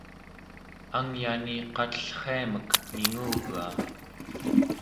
angyani qatellriamek mingugaa